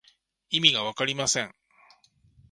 意味がわかりません。